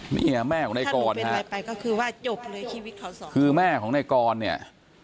นี่แหละแม่ของในกรรมคือแม่ของในกรรมเนี่ย